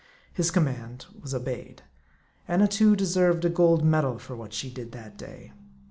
His command was obeyed. Annatoo deserved a gold medal for what she did that day.